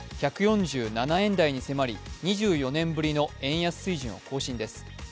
１４７円台に迫り２４年ぶりの円高水準を更新です。